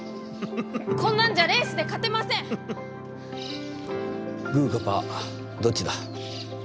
こんなんじゃレースで勝てまぐーかぱー、どっちだ。